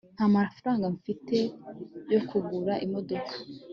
nta mafaranga mfite yo kugura imodoka